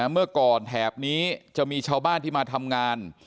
เมื่อก่อนแถบนี้จะมีชาวบ้านที่มาทำงาน